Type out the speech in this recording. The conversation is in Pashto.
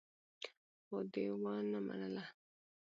خو دې ونه منله.